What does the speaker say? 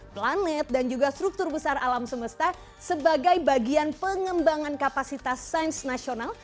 planet dan juga struktur besar alam semesta sebagai bagian pengembangan kapasitas sains nasional